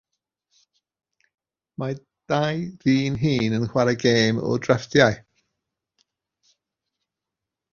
Mae dau ddyn hŷn yn chwarae gêm o ddrafftiau.